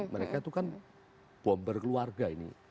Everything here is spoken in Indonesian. mereka itu kan bomber keluarga ini